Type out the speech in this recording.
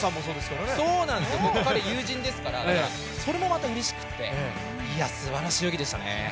友人ですから、それもまたうれしくて、いや、すばらしい泳ぎでしたね。